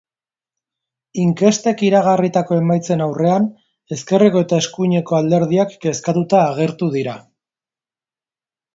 Inkestek iragarritako emaitzen aurrean, ezkerreko eta eskuineko alderdiak kezkatuta agertu dira.